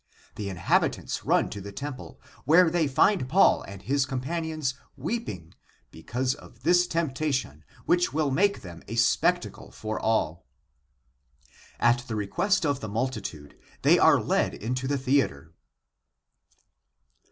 The inhabitants run to the temple, where they find Paul and his companions weeping " because of this temptation, which will make them a spectacle for all." At the request of the multitude they are led into the theatre.